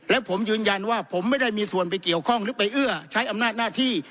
และผมยืนยันว่าผมไม่ได้มีส่วนไปเกี่ยวข้องหรือไปเอื้อใช้อำนาจหน้าที่